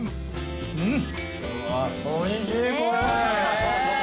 うん！